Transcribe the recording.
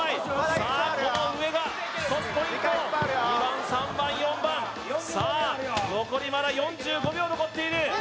さあ、この上がポイント２番、３番、４番、残り、まだ４５秒残っている。